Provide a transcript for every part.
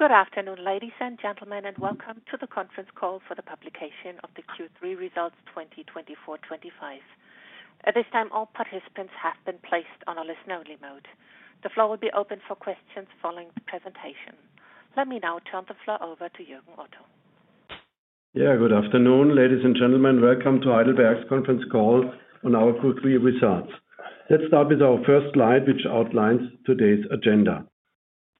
Good afternoon, ladies and gentlemen, and welcome to the conference call for the publication of the Q3 results 2024-25. At this time, all participants have been placed on a listen-only mode. The floor will be open for questions following the presentation. Let me now turn the floor over to Jürgen Otto. Yeah, good afternoon, ladies and gentlemen. Welcome to Heidelberg's conference call on our Q3 results. Let's start with our first slide, which outlines today's agenda.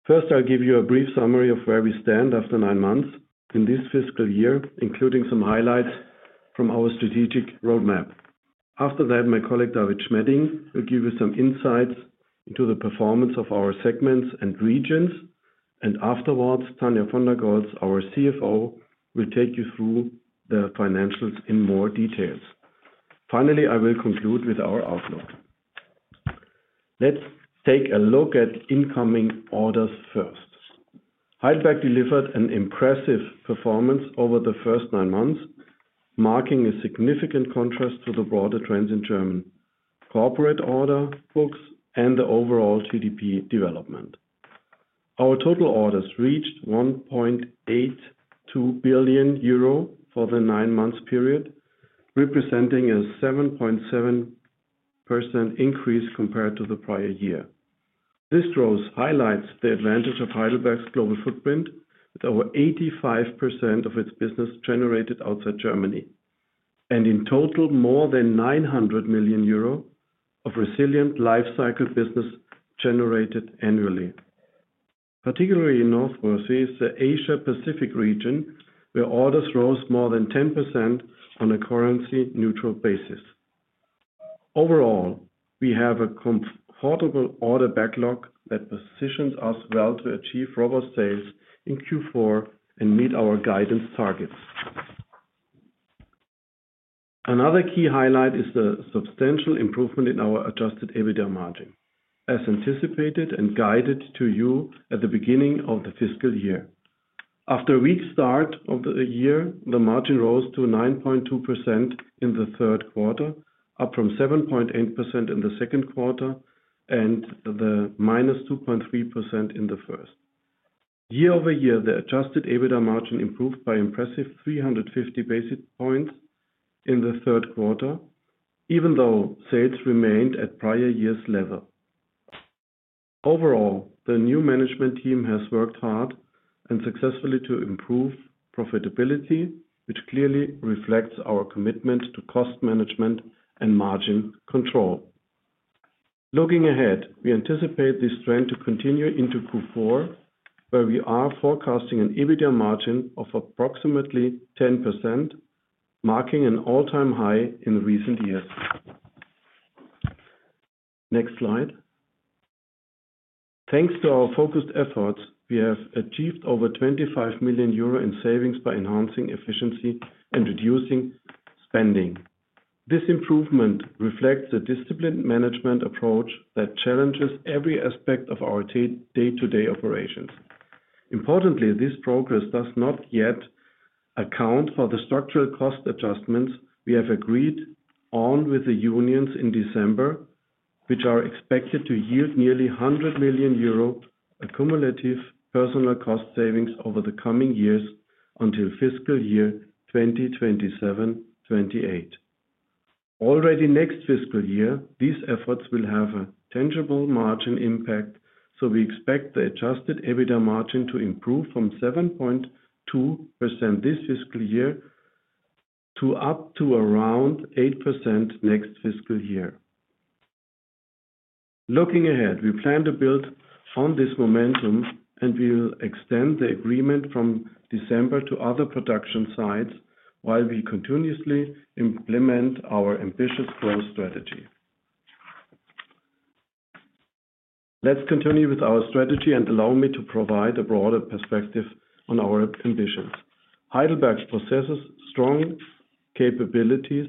First, I'll give you a brief summary of where we stand after nine months in this fiscal year, including some highlights from our strategic roadmap. After that, my colleague David Schmedding will give you some insights into the performance of our segments and regions, and afterwards, Tania von der Goltz, our CFO, will take you through the financials in more detail. Finally, I will conclude with our outlook. Let's take a look at incoming orders first. Heidelberg delivered an impressive performance over the first nine months, marking a significant contrast to the broader trends in German corporate order books and the overall GDP development. Our total orders reached 1.82 billion euro for the nine-month period, representing a 7.7% increase compared to the prior year. This growth highlights the advantage of Heidelberg's global footprint, with over 85% of its business generated outside Germany, and in total, more than 900 million euro of resilient lifecycle business generated annually. Particularly in the Asia-Pacific region, where orders rose more than 10% on a currency-neutral basis. Overall, we have a comfortable order backlog that positions us well to achieve robust sales in Q4 and meet our guidance targets. Another key highlight is the substantial improvement in our Adjusted EBITDA margin, as anticipated and guided to you at the beginning of the fiscal year. After a weak start of the year, the margin rose to 9.2% in the third quarter, up from 7.8% in the second quarter and -2.3% in the first. Year over year, the Adjusted EBITDA margin improved by an impressive 350 basis points in the third quarter, even though sales remained at prior year's level. Overall, the new management team has worked hard and successfully to improve profitability, which clearly reflects our commitment to cost management and margin control. Looking ahead, we anticipate this trend to continue into Q4, where we are forecasting an EBITDA margin of approximately 10%, marking an all-time high in recent years. Next slide. Thanks to our focused efforts, we have achieved over 25 million euro in savings by enhancing efficiency and reducing spending. This improvement reflects a disciplined management approach that challenges every aspect of our day-to-day operations. Importantly, this progress does not yet account for the structural cost adjustments we have agreed on with the unions in December, which are expected to yield nearly 100 million euro accumulative personnel cost savings over the coming years until fiscal year 2027-2028. Already next fiscal year, these efforts will have a tangible margin impact, so we expect the Adjusted EBITDA margin to improve from 7.2% this fiscal year to up to around 8% next fiscal year. Looking ahead, we plan to build on this momentum, and we will extend the agreement from December to other production sites while we continuously implement our ambitious growth strategy. Let's continue with our strategy and allow me to provide a broader perspective on our ambitions. Heidelberg possesses strong capabilities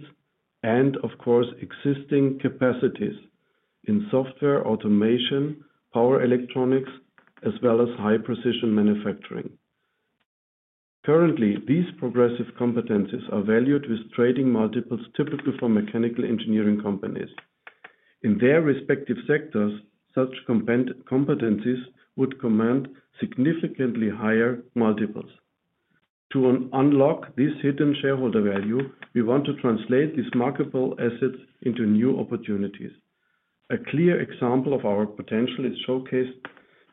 and, of course, existing capacities in software automation, power electronics, as well as high-precision manufacturing. Currently, these progressive competencies are valued with trading multiples typical for mechanical engineering companies. In their respective sectors, such competencies would command significantly higher multiples. To unlock this hidden shareholder value, we want to translate these marketable assets into new opportunities. A clear example of our potential is showcased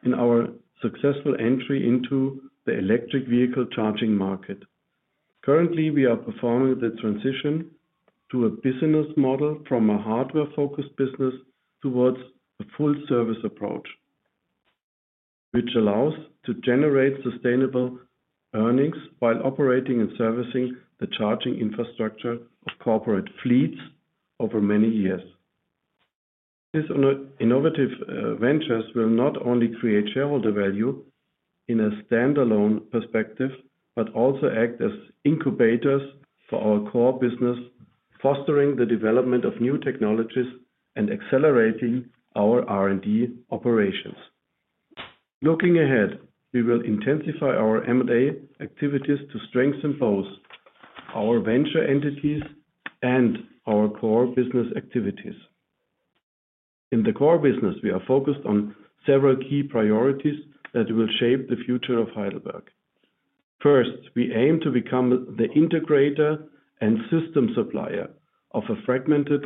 in our successful entry into the electric vehicle charging market. Currently, we are performing the transition to a business model from a hardware-focused business towards a full-service approach, which allows us to generate sustainable earnings while operating and servicing the charging infrastructure of corporate fleets over many years. These innovative ventures will not only create shareholder value in a standalone perspective but also act as incubators for our core business, fostering the development of new technologies and accelerating our R&D operations. Looking ahead, we will intensify our M&A activities to strengthen both our venture entities and our core business activities. In the core business, we are focused on several key priorities that will shape the future of Heidelberg. First, we aim to become the integrator and system supplier of a fragmented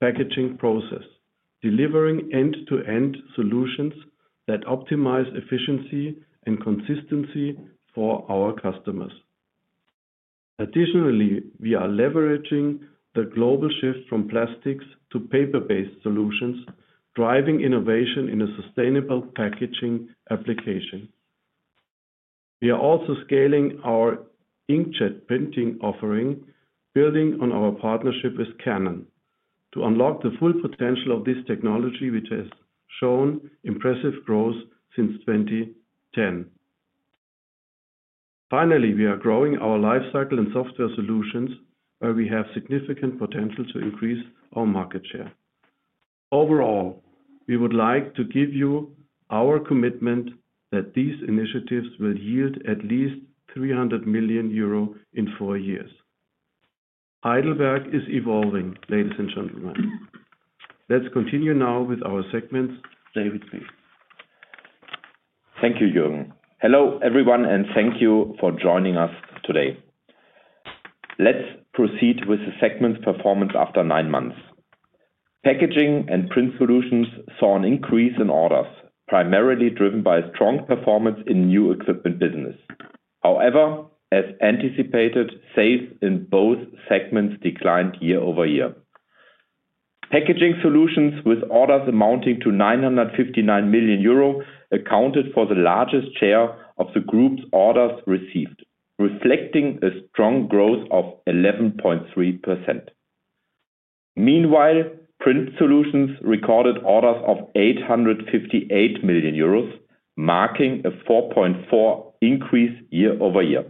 packaging process, delivering end-to-end solutions that optimize efficiency and consistency for our customers. Additionally, we are leveraging the global shift from plastics to paper-based solutions, driving innovation in a sustainable packaging application. We are also scaling our inkjet printing offering, building on our partnership with Canon, to unlock the full potential of this technology, which has shown impressive growth since 2010. Finally, we are growing our lifecycle and software solutions, where we have significant potential to increase our market share. Overall, we would like to give you our commitment that these initiatives will yield at least 300 million euro in four years. Heidelberg is evolving, ladies and gentlemen. Let's continue now with our segments, David. Thank you, Jürgen. Hello, everyone, and thank you for joining us today. Let's proceed with the segments' performance after nine months. Packaging and Print Solutions saw an increase in orders, primarily driven by strong performance in new equipment business. However, as anticipated, sales in both segments declined year over year. Packaging Solutions with orders amounting to 959 million euro accounted for the largest share of the group's orders received, reflecting a strong growth of 11.3%. Meanwhile, Print Solutions recorded orders of 858 million euros, marking a 4.4% increase year-over-year.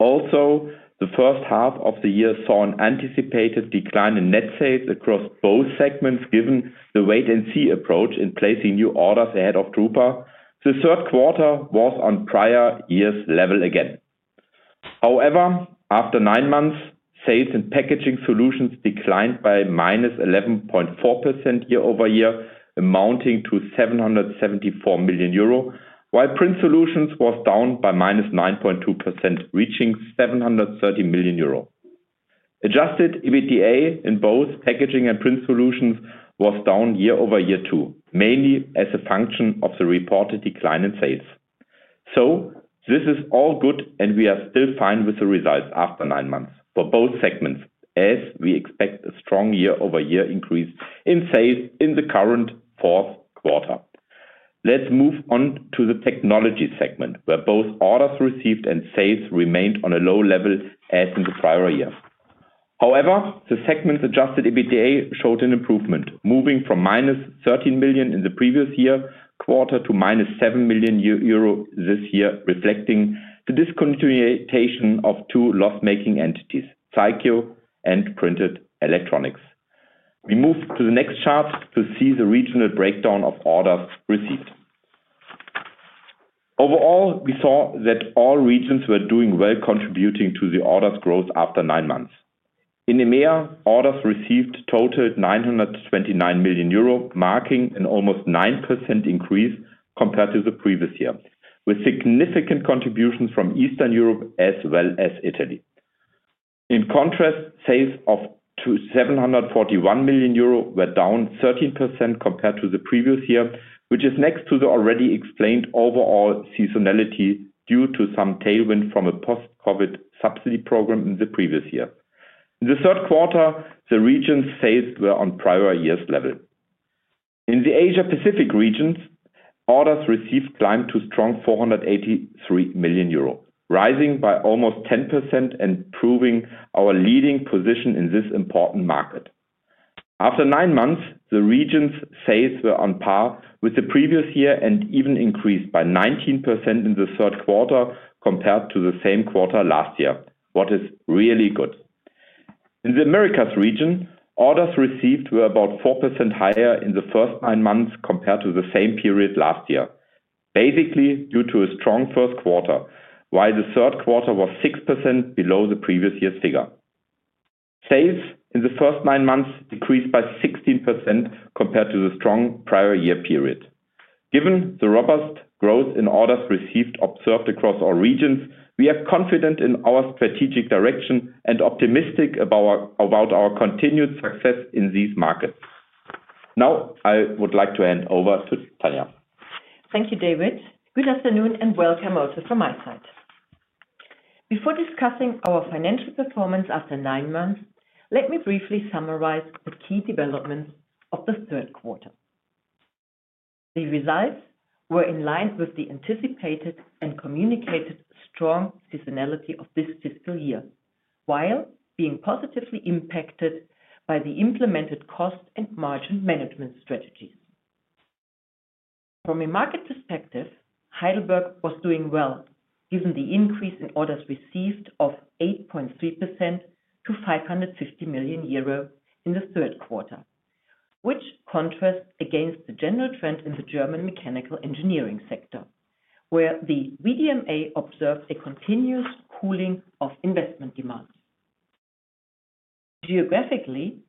Also, the first half of the year saw an anticipated decline in net sales across both segments given the wait-and-see approach in placing new orders ahead of Drupa. The third quarter was on prior year's level again. However, after nine months, sales in packaging solutions declined by minus 11.4% year over year, amounting to 774 million euro, while Print Solutions was down by minus 9.2%, reaching 730 million euro. Adjusted EBITDA in both Packaging and Print Solutions was down year over year too, mainly as a function of the reported decline in sales. So this is all good, and we are still fine with the results after nine months for both segments, as we expect a strong year-over-year increase in sales in the current fourth quarter. Let's move on to the Technology segment, where both orders received and sales remained on a low level as in the prior year. However, the segments' Adjusted EBITDA showed an improvement, moving from -13 million in the previous year quarter to -7 million euro this year, reflecting the discontinuation of two loss-making entities, Zaikio and Printed Electronics. We move to the next chart to see the regional breakdown of orders received. Overall, we saw that all regions were doing well, contributing to the orders' growth after nine months. In EMEA, orders received totaled 929 million euro, marking an almost 9% increase compared to the previous year, with significant contributions from Eastern Europe as well as Italy. In contrast, sales of 741 million euro were down 13% compared to the previous year, which is next to the already explained overall seasonality due to some tailwind from a post-COVID subsidy program in the previous year. In the third quarter, the region's sales were on prior year's level. In the Asia-Pacific regions, orders received climbed to strong 483 million euro, rising by almost 10% and proving our leading position in this important market. After nine months, the region's sales were on par with the previous year and even increased by 19% in the third quarter compared to the same quarter last year, which is really good. In the Americas region, orders received were about 4% higher in the first nine months compared to the same period last year, basically due to a strong first quarter, while the third quarter was 6% below the previous year's figure. Sales in the first nine months decreased by 16% compared to the strong prior year period. Given the robust growth in orders received observed across our regions, we are confident in our strategic direction and optimistic about our continued success in these markets. Now, I would like to hand over to Tania. Thank you, David. Good afternoon and welcome also from my side. Before discussing our financial performance after nine months, let me briefly summarize the key developments of the third quarter. The results were in line with the anticipated and communicated strong seasonality of this fiscal year, while being positively impacted by the implemented cost and margin management strategies. From a market perspective, Heidelberg was doing well, given the increase in orders received of 8.3% to 550 million euro in the third quarter, which contrasts against the general trend in the German mechanical engineering sector, where the VDMA observed a continuous cooling of investment demands. Geographically,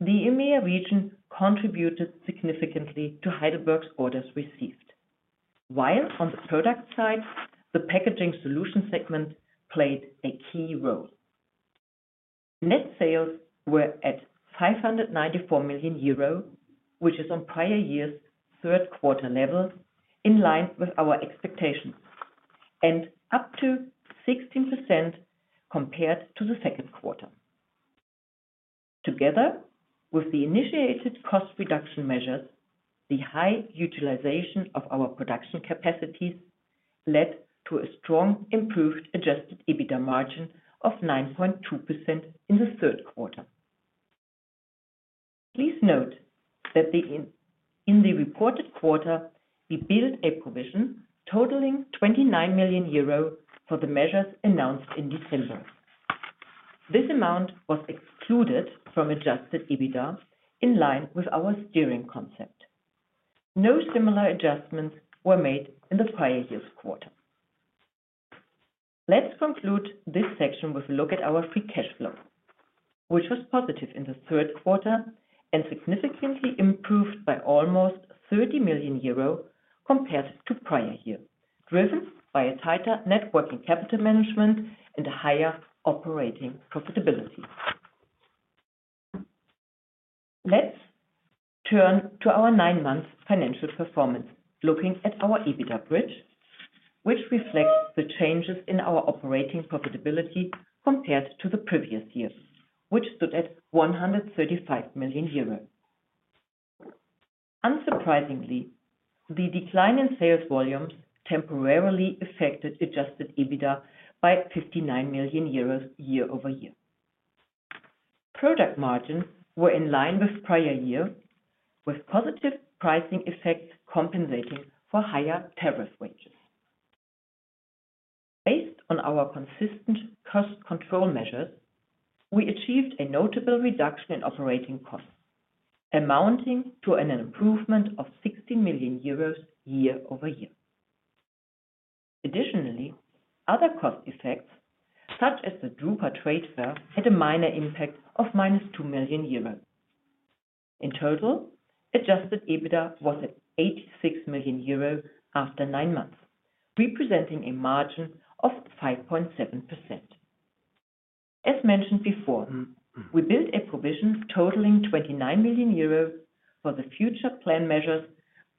the EMEA region contributed significantly to Heidelberg's orders received, while on the product side, the packaging solution segment played a key role. Net sales were at 594 million euro, which is on prior year's third quarter level, in line with our expectations, and up to 16% compared to the second quarter. Together with the initiated cost reduction measures, the high utilization of our production capacities led to a strong improved Adjusted EBITDA margin of 9.2% in the third quarter. Please note that in the reported quarter, we built a provision totaling 29 million euro for the measures announced in December. This amount was excluded from Adjusted EBITDA in line with our steering concept. No similar adjustments were made in the prior year's quarter. Let's conclude this section with a look at our free cash flow, which was positive in the third quarter and significantly improved by almost 30 million euro compared to prior year, driven by a tighter net working capital management and a higher operating profitability. Let's turn to our nine-month financial performance, looking at our EBITDA bridge, which reflects the changes in our operating profitability compared to the previous year, which stood at 135 million euros. Unsurprisingly, the decline in sales volumes temporarily affected Adjusted EBITDA by 59 million euros year-over-year. Product margins were in line with prior year, with positive pricing effects compensating for higher tariff wages. Based on our consistent cost control measures, we achieved a notable reduction in operating costs, amounting to an improvement of 16 million euros year-over-year. Additionally, other cost effects, such as the Drupa trade fair, had a minor impact of -2 million euros. In total, Adjusted EBITDA was at 86 million euros after nine months, representing a margin of 5.7%. As mentioned before, we built a provision totaling 29 million euros for the future plan measures,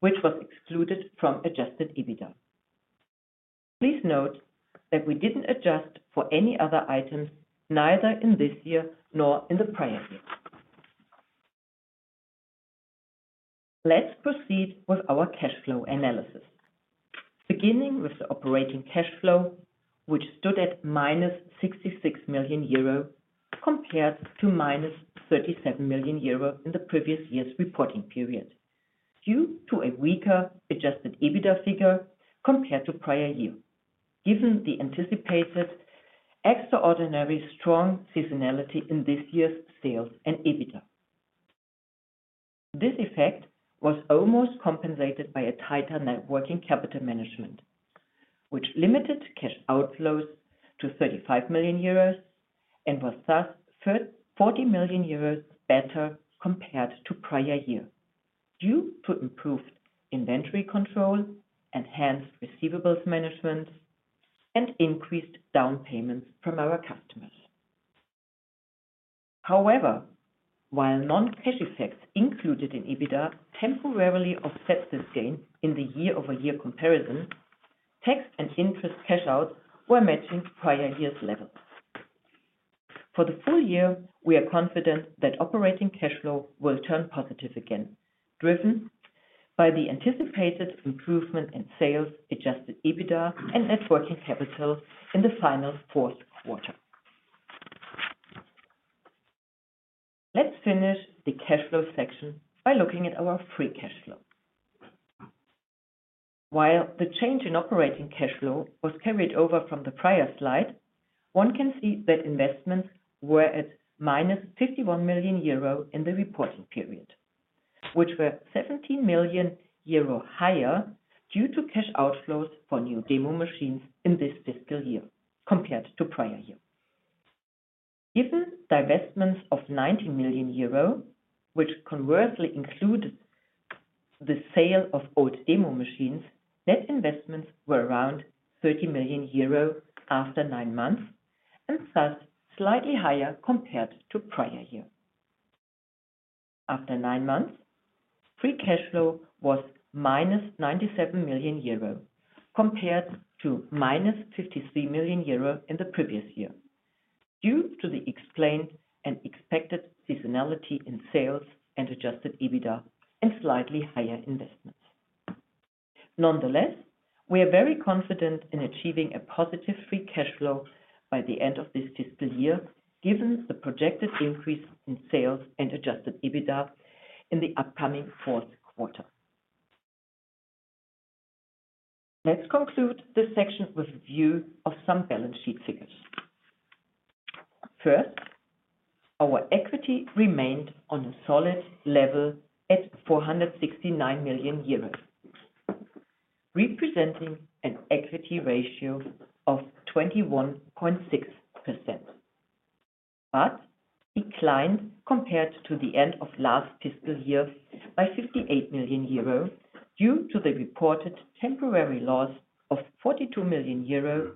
which was excluded from Adjusted EBITDA. Please note that we didn't adjust for any other items, neither in this year nor in the prior year. Let's proceed with our cash flow analysis, beginning with the operating cash flow, which stood at -66 million euro compared to -37 million euro in the previous year's reporting period, due to a weaker Adjusted EBITDA figure compared to prior year, given the anticipated extraordinary strong seasonality in this year's sales and EBITDA. This effect was almost compensated by a tighter net working capital management, which limited cash outflows to 35 million euros and was thus 40 million euros better compared to prior year, due to improved inventory control, enhanced receivables management, and increased down payments from our customers. However, while non-cash effects included in EBITDA temporarily offset this gain in the year-over-year comparison, tax and interest cash outs were matching prior year's levels. For the full year, we are confident that operating cash flow will turn positive again, driven by the anticipated improvement in sales, Adjusted EBITDA, and net working capital in the final fourth quarter. Let's finish the cash flow section by looking at our free cash flow. While the change in operating cash flow was carried over from the prior slide, one can see that investments were at minus 51 million euro in the reporting period, which were 17 million euro higher due to cash outflows for new demo machines in this fiscal year compared to prior year. Given divestments of 19 million euro, which conversely included the sale of old demo machines, net investments were around 30 million euro after nine months and thus slightly higher compared to prior year. After nine months, free cash flow was -97 million euro compared to -53 million euro in the previous year, due to the explained and expected seasonality in sales and Adjusted EBITDA and slightly higher investments. Nonetheless, we are very confident in achieving a positive free cash flow by the end of this fiscal year, given the projected increase in sales and Adjusted EBITDA in the upcoming fourth quarter. Let's conclude this section with a view of some balance sheet figures. First, our equity remained on a solid level at 469 million euros, representing an equity ratio of 21.6%, but declined compared to the end of last fiscal year by 58 million euro due to the reported temporary loss of 42 million euro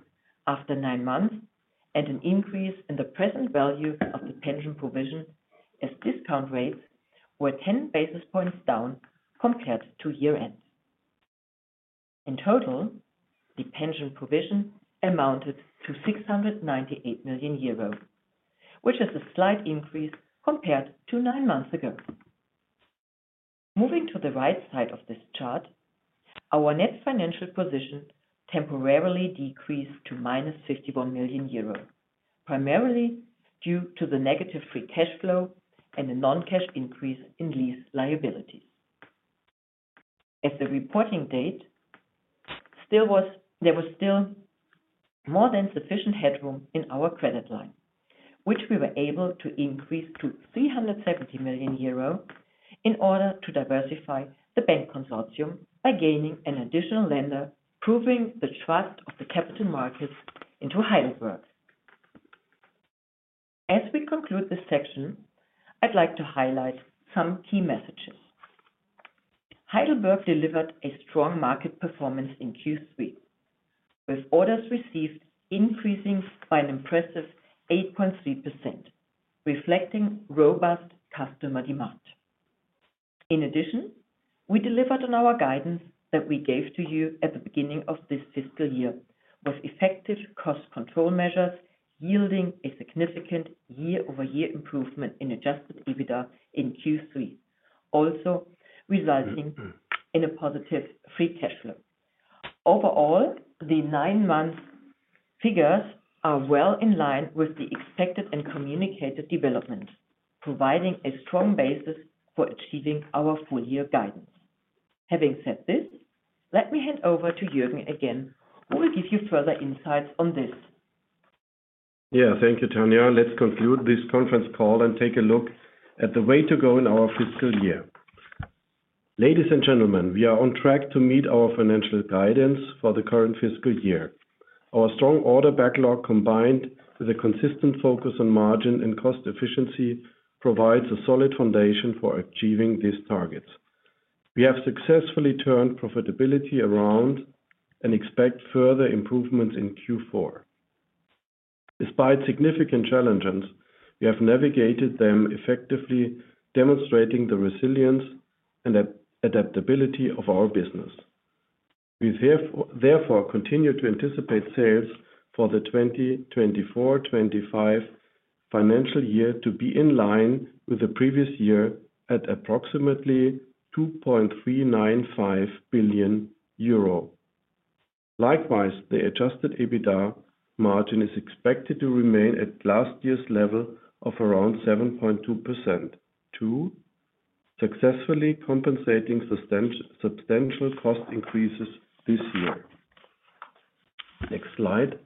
after nine months and an increase in the present value of the pension provision as discount rates were 10 basis points down compared to year-end. In total, the pension provision amounted to 698 million euros, which is a slight increase compared to nine months ago. Moving to the right side of this chart, our net financial position temporarily decreased to -51 million euros, primarily due to the negative free cash flow and the non-cash increase in lease liabilities. As the reporting date, there was still more than sufficient headroom in our credit line, which we were able to increase to 370 million euro in order to diversify the bank consortium by gaining an additional lender, proving the trust of the capital markets into Heidelberg. As we conclude this section, I'd like to highlight some key messages. Heidelberg delivered a strong market performance in Q3, with orders received increasing by an impressive 8.3%, reflecting robust customer demand. In addition, we delivered on our guidance that we gave to you at the beginning of this fiscal year with effective cost control measures yielding a significant year-over-year improvement in Adjusted EBITDA in Q3, also resulting in a positive free cash flow. Overall, the nine-month figures are well in line with the expected and communicated development, providing a strong basis for achieving our full-year guidance. Having said this, let me hand over to Jürgen again, who will give you further insights on this. Yeah, thank you, Tania. Let's conclude this conference call and take a look at the way to go in our fiscal year. Ladies and gentlemen, we are on track to meet our financial guidance for the current fiscal year. Our strong order backlog, combined with a consistent focus on margin and cost efficiency, provides a solid foundation for achieving these targets. We have successfully turned profitability around and expect further improvements in Q4. Despite significant challenges, we have navigated them effectively, demonstrating the resilience and adaptability of our business. We therefore continue to anticipate sales for the 2024-2025 financial year to be in line with the previous year at approximately 2.395 billion euro. Likewise, the Adjusted EBITDA margin is expected to remain at last year's level of around 7.2%, successfully compensating substantial cost increases this year. Next slide.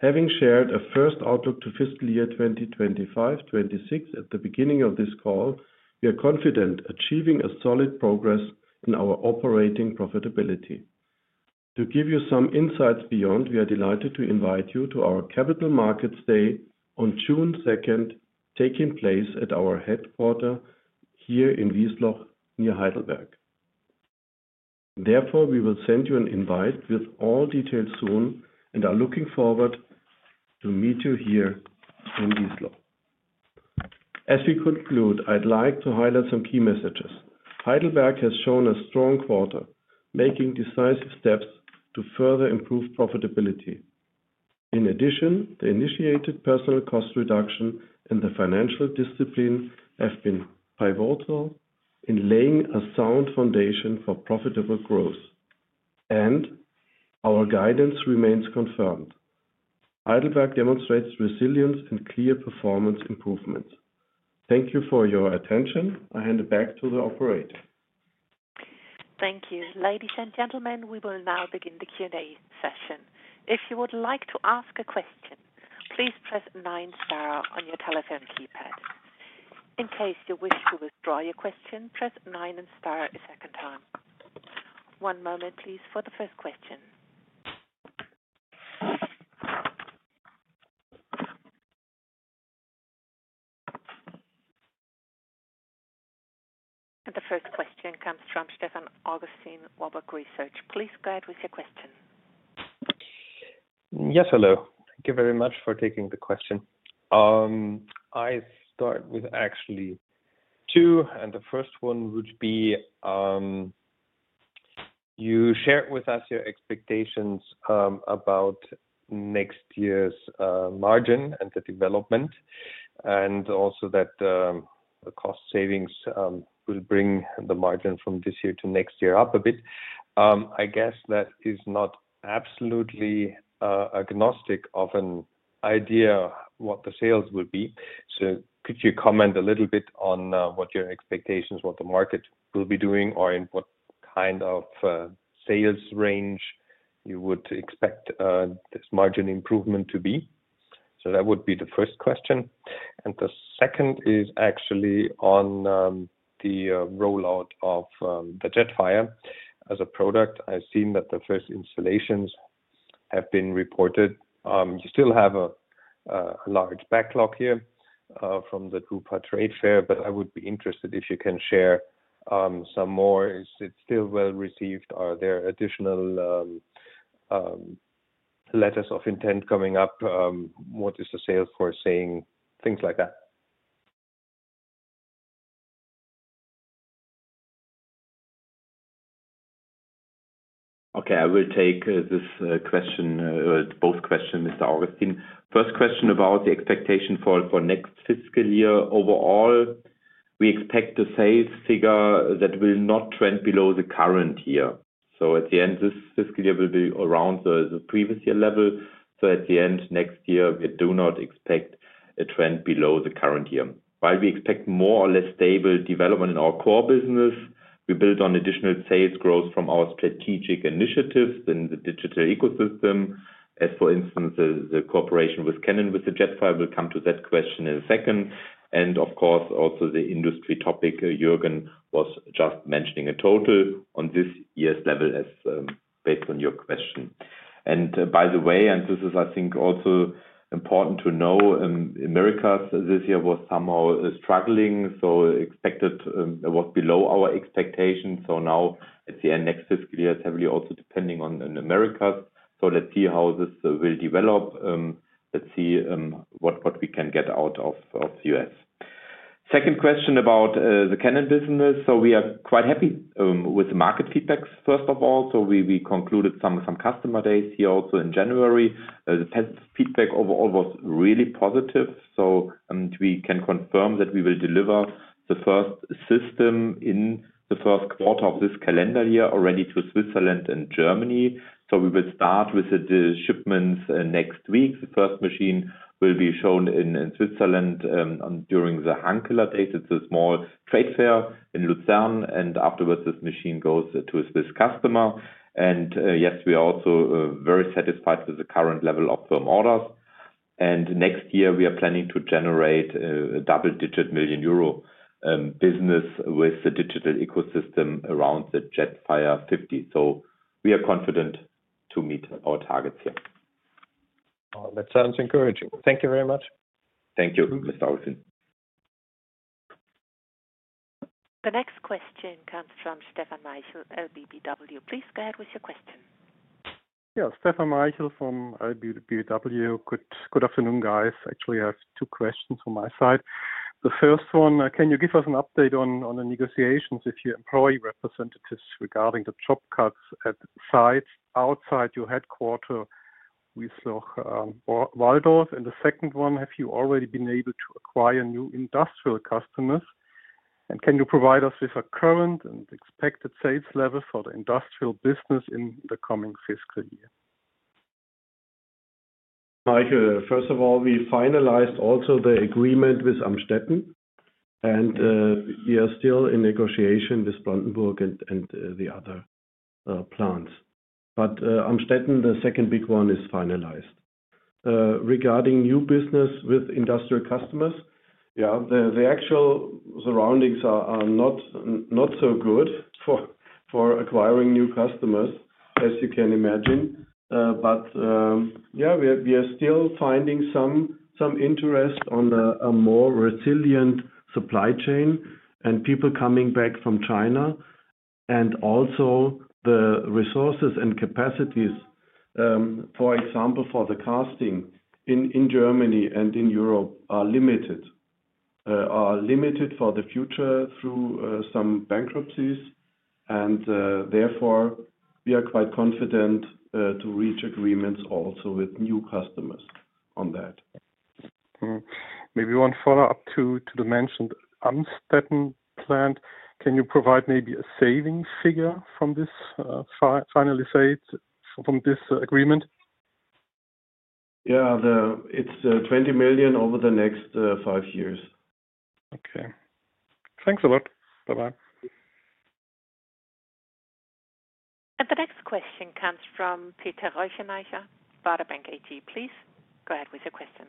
Having shared a first outlook to fiscal year 2025-2026 at the beginning of this call, we are confident in achieving solid progress in our operating profitability. To give you some insights beyond, we are delighted to invite you to our Capital Markets Day on June 2nd, taking place at our headquarters here in Wiesloch near Heidelberg. Therefore, we will send you an invite with all details soon and are looking forward to meeting you here in Wiesloch. As we conclude, I'd like to highlight some key messages. Heidelberg has shown a strong quarter, making decisive steps to further improve profitability. In addition, the initiated personnel cost reduction and the financial discipline have been pivotal in laying a sound foundation for profitable growth, and our guidance remains confirmed. Heidelberg demonstrates resilience and clear performance improvements. Thank you for your attention. I hand it back to the operator. Thank you. Ladies and gentlemen, we will now begin the Q&A session. If you would like to ask a question, please press nine and star on your telephone keypad. In case you wish to withdraw your question, press nine and star a second time. One moment, please, for the first question. And the first question comes from Stefan Augustin, Warburg Research. Please go ahead with your question. Yes, hello. Thank you very much for taking the question. I start with actually two, and the first one would be you shared with us your expectations about next year's margin and the development, and also that the cost savings will bring the margin from this year to next year up a bit. I guess that is not absolutely agnostic of an idea of what the sales will be. So could you comment a little bit on what your expectations are, what the market will be doing, or in what kind of sales range you would expect this margin improvement to be? So that would be the first question. And the second is actually on the rollout of the Jetfire as a product. I've seen that the first installations have been reported. You still have a large backlog here from the Drupa trade fair, but I would be interested if you can share some more. Is it still well received? Are there additional letters of intent coming up? What is the sales force saying? Things like that. Okay, I will take this question, both questions, Mr. Augustin. First question about the expectation for next fiscal year. Overall, we expect the sales figure that will not trend below the current year. So at the end, this fiscal year will be around the previous year level. So at the end, next year, we do not expect a trend below the current year. While we expect more or less stable development in our core business, we build on additional sales growth from our strategic initiatives in the digital ecosystem, as for instance, the cooperation with Canon with the Jetfire. We'll come to that question in a second. And of course, also the industry topic, Jürgen was just mentioning a total on this year's level based on your question. By the way, and this is, I think, also important to know, Americas this year was somehow struggling, so expected was below our expectations. So now, at the end, next fiscal year is heavily also depending on Americas. So let's see how this will develop. Let's see what we can get out of the U.S. Second question about the Canon business. So we are quite happy with the market feedback, first of all. So we concluded some customer days here also in January. The feedback overall was really positive. So we can confirm that we will deliver the first system in the first quarter of this calendar year already to Switzerland and Germany. So we will start with the shipments next week. The first machine will be shown in Switzerland during the Hunkeler Day. It's a small trade fair in Lucerne. And afterwards, this machine goes to a Swiss customer. And yes, we are also very satisfied with the current level of firm orders. And next year, we are planning to generate a double-digit million euro business with the digital ecosystem around the Jetfire 50. So we are confident to meet our targets here. That sounds encouraging. Thank you very much. Thank you, Mr. Augustin. The next question comes from Stefan Maichl, LBBW. Please go ahead with your question. Yeah, Stefan Maichl from LBBW. Good afternoon, guys. Actually, I have two questions from my side. The first one, can you give us an update on the negotiations with your employee representatives regarding the job cuts at sites outside your headquarters Wiesloch-Walldorf? And the second one, have you already been able to acquire new industrial customers? And can you provide us with a current and expected sales level for the industrial business in the coming fiscal year? Maichl, first of all, we finalized also the agreement with Amstetten. And we are still in negotiation with Brandenburg and the other plants. But Amstetten, the second big one, is finalized. Regarding new business with industrial customers, yeah, the actual surroundings are not so good for acquiring new customers, as you can imagine. But yeah, we are still finding some interest on a more resilient supply chain and people coming back from China. And also, the resources and capacities, for example, for the casting in Germany and in Europe are limited for the future through some bankruptcies. And therefore, we are quite confident to reach agreements also with new customers on that. Maybe one follow-up to the mentioned Amstetten plant. Can you provide maybe a savings figure from this final state from this agreement? Yeah, it's 20 million over the next five years. Okay. Thanks a lot. Bye-bye. The next question comes from Peter Rothenaicher, Baader Bank. Please go ahead with your question.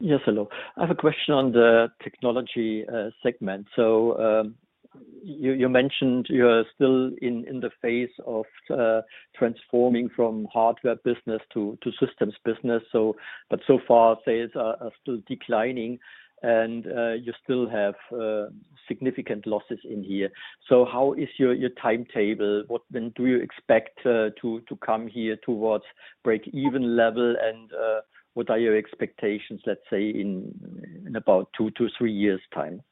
Yes, hello. I have a question on the Technology segment. So you mentioned you're still in the phase of transforming from hardware business to systems business. But so far, sales are still declining, and you still have significant losses in here. So how is your timetable? When do you expect to come here towards break-even level? And what are your expectations, let's say, in about two to three years' time?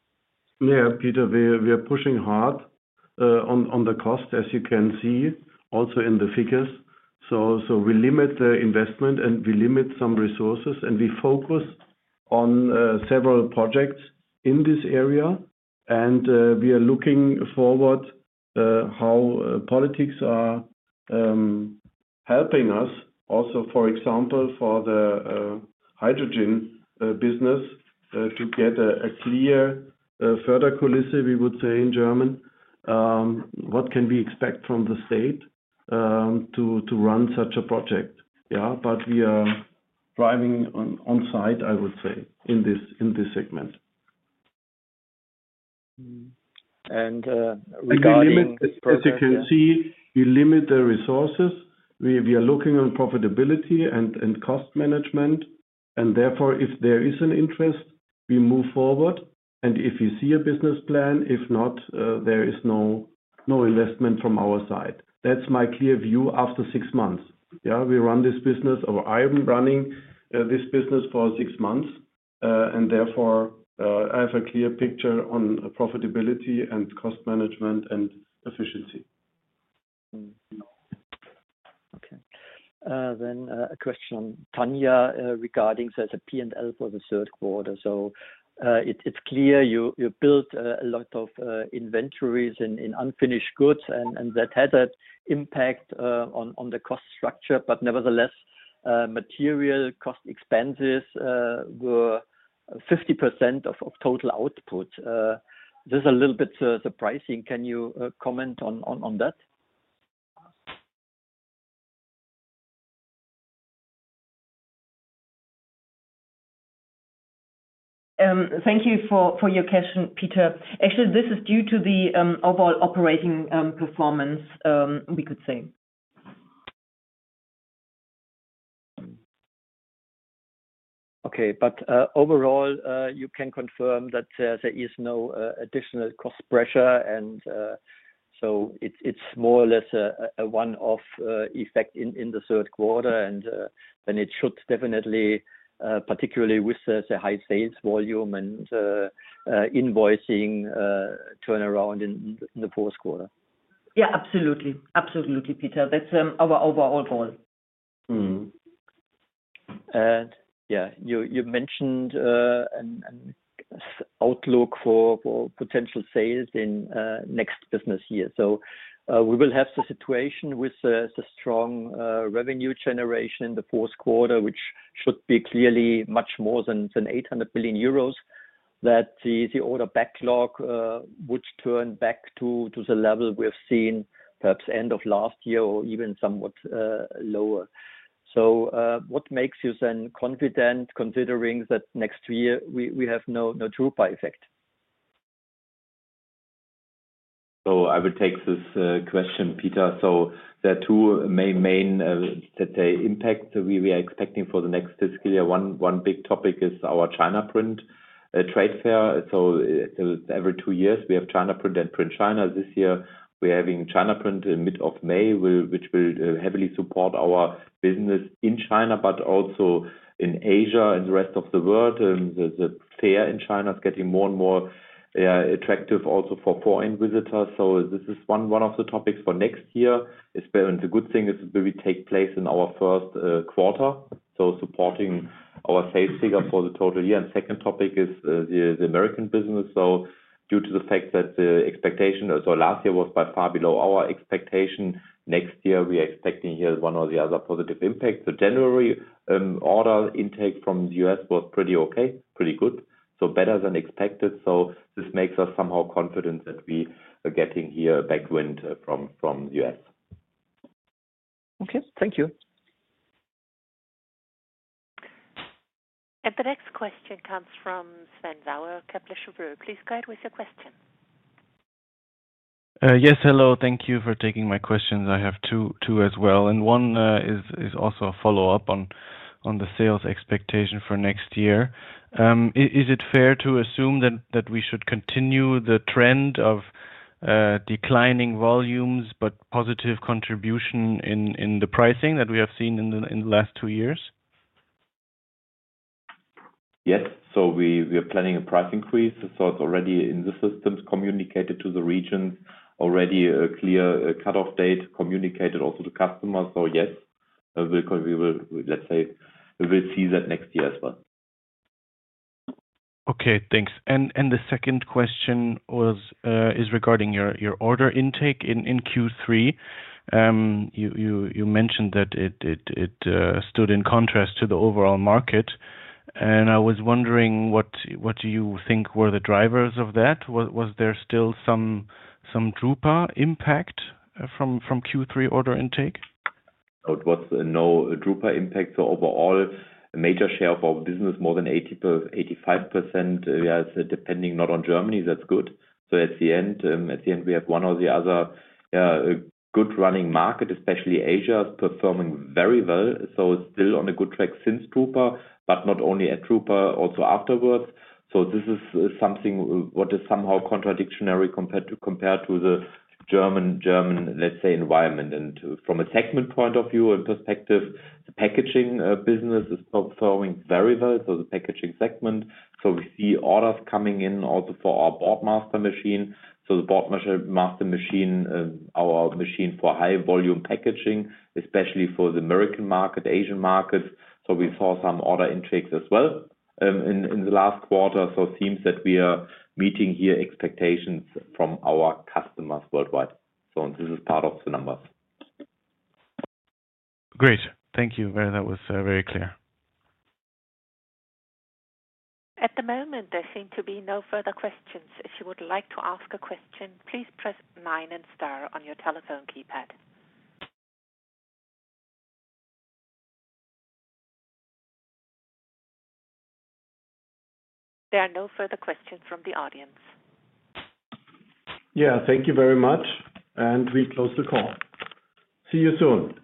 Yeah, Peter, we are pushing hard on the cost, as you can see, also in the figures. So we limit the investment, and we limit some resources, and we focus on several projects in this area, and we are looking forward to how politics are helping us, also, for example, for the hydrogen business, to get a clear further coalition, we would say in German, what can we expect from the state to run such a project? Yeah, but we are driving on site, I would say, in this segment. Regarding this project. As you can see, we limit the resources. We are looking on profitability and cost management, and therefore, if there is an interest, we move forward, and if we see a business plan, if not, there is no investment from our side. That's my clear view after six months. Yeah, we run this business, or I'm running this business for six months, and therefore, I have a clear picture on profitability and cost management and efficiency. Okay. Then a question on Tania regarding the P&L for the third quarter. So it's clear you built a lot of inventories in unfinished goods, and that had an impact on the cost structure. But nevertheless, material cost expenses were 50% of total output. This is a little bit surprising. Can you comment on that? Thank you for your question, Peter. Actually, this is due to the overall operating performance, we could say. Okay, but overall, you can confirm that there is no additional cost pressure, and so it's more or less a one-off effect in the third quarter, and then it should definitely, particularly with the high sales volume and invoicing turnaround in the fourth quarter. Yeah, absolutely. Absolutely, Peter. That's our overall goal. Yeah, you mentioned an outlook for potential sales in next business year. We will have the situation with the strong revenue generation in the fourth quarter, which should be clearly much more than 800 million euros, that the order backlog would turn back to the level we have seen perhaps end of last year or even somewhat lower. What makes you then confident considering that next year we have no Drupa effect? So I would take this question, Peter. So there are two main impacts that we are expecting for the next fiscal year. One big topic is our China Print trade fair. So every two years, we have China Print and Print China. This year, we're having China Print in mid of May, which will heavily support our business in China, but also in Asia and the rest of the world. The fair in China is getting more and more attractive also for foreign visitors. So this is one of the topics for next year. The good thing is it will take place in our first quarter, so supporting our sales figure for the total year. And the second topic is the American business. Due to the fact that the expectation last year was by far below our expectation, next year we are expecting here one or the other positive impact. The January order intake from the U.S. was pretty okay, pretty good, so better than expected. So this makes us somehow confident that we are getting here tailwind from the U.S. Okay, thank you. The next question comes from Sven Sauer, Kepler Cheuvreux. Please go ahead with your question. Yes, hello. Thank you for taking my questions. I have two as well. And one is also a follow-up on the sales expectation for next year. Is it fair to assume that we should continue the trend of declining volumes but positive contribution in the pricing that we have seen in the last two years? Yes. So we are planning a price increase. So it's already in the systems communicated to the regions, already a clear cut-off date communicated also to customers. So yes, let's say we'll see that next year as well. Okay, thanks. And the second question is regarding your order intake in Q3. You mentioned that it stood in contrast to the overall market. And I was wondering, what do you think were the drivers of that? Was there still some Drupa impact from Q3 order intake? So it was no Drupa impact. Overall, a major share of our business, more than 85%, yeah, it's depending not on Germany. That's good. At the end, we have one or the other good-running market, especially Asia is performing very well. It's still on a good track since Drupa, but not only at Drupa, also afterwards. This is something what is somehow contradictory compared to the German, let's say, environment. From a segment point of view and perspective, the packaging business is performing very well. The packaging segment. We see orders coming in also for our Boardmaster machine. The Boardmaster machine, our machine for high-volume packaging, especially for the American market, Asian markets. We saw some order intakes as well in the last quarter. It seems that we are meeting here expectations from our customers worldwide. This is part of the numbers. Great. Thank you. That was very clear. At the moment, there seem to be no further questions. If you would like to ask a question, please press nine and star on your telephone keypad. There are no further questions from the audience. Yeah, thank you very much. And we close the call. See you soon.